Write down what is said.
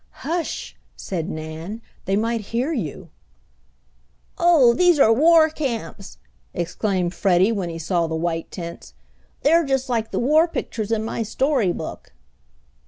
"Hush," said Nan; "they might hear you." "Oh, these are war camps!" exclaimed Freddie when he saw the white tents. "They're just like the war pictures in my story book!"